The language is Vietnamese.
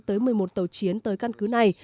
tới một mươi một tàu chiến tới căn cứ này